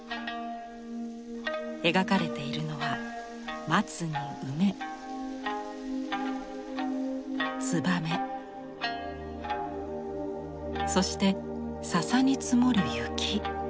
描かれているのは松に梅つばめそして笹に積もる雪。